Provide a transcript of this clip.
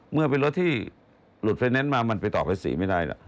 เมื่อเป็นรถที่หลุดไฟแนนซ์มามันไปต่อภาษีไม่ได้แล้ว